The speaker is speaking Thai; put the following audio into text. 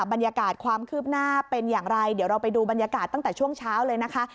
บรรยากาศความคืบหน้าเป็นอย่างไรเดี๋ยวเราไปดูบรรยากาศตั้งแต่ช่วงเช้าเลยนะคะ